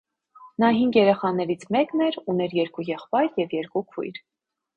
Նա հինգ երեխաներից մեկն էր, ուներ երկու եղբայր և երկու քույր։